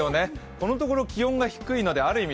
このところ気温が低いのである意味